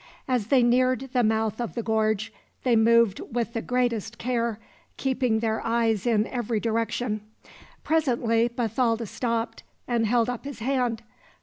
As they neared the mouth of the gorge they moved with the greatest care, keeping their eyes in every direction. Presently Bathalda stopped, and held up his hand.